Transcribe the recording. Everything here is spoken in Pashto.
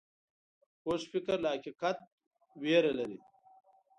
کوږ فکر له حقیقت ویره لري